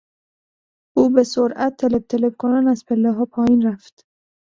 او به سرعت تلپ تلپ کنان از پلهها پایین رفت.